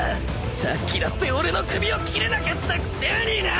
さっきだって俺の首を斬れなかったくせになぁ！